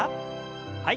はい。